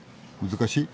難しい？